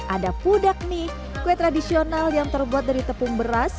ada pudak mie kue tradisional yang terbuat dari tepung beras